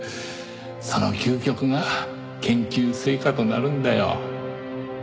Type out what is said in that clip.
その究極が研究成果となるんだよ。